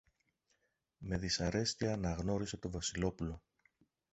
Με δυσαρέσκεια αναγνώρισε το Βασιλόπουλο